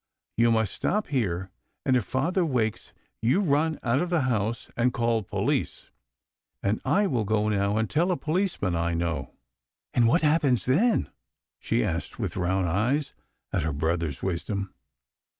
You must stop here, and if father wakes you run out of the house and call ' Police !' and I will go now and tell a policeman I know." " And what happens then ?" she asked, with round eyes at her brother's wisdom.